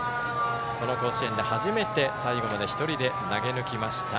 この甲子園で初めて最後まで投げぬきました。